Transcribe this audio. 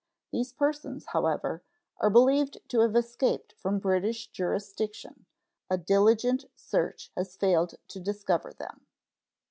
These persons, however, are believed to have escaped from British jurisdiction; a diligent search has failed to discover them.